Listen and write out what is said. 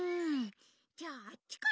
・じゃああっちかな？